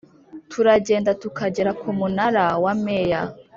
Turagenda tukagera ku Munara wa Meya